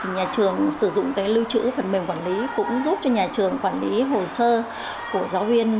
nhà trường sử dụng lưu trữ phần mềm quản lý cũng giúp cho nhà trường quản lý hồ sơ của giáo viên